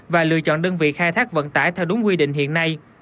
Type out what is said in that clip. và lựa chọn đơn vị khai thác vận tải theo đúng quy định hiện nay